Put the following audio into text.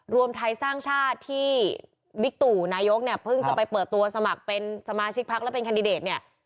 รวมไทยสร้างชาติที่มิกตุนายกเพิ่งจะไปเปิดตัวสมัครเป็นสมาชิกพักและเป็นคันดิเดต